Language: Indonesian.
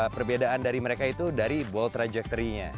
perbedaan dari mereka itu dari ball trajectory nya